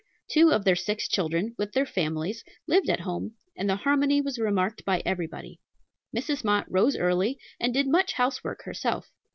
Two of their six children, with their families, lived at home, and the harmony was remarked by everybody. Mrs. Mott rose early, and did much housework herself.